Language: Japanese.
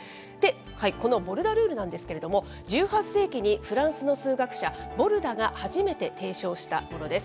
このボルダルールなんですけれども、１８世紀に、フランスの数学者、ボルダが初めて提唱したものです。